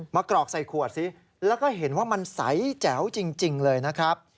กรอกใส่ขวดซิแล้วก็เห็นว่ามันใสแจ๋วจริงเลยนะครับ